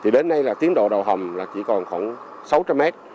đến nay tiến độ đầu hầm chỉ còn khoảng sáu trăm linh mét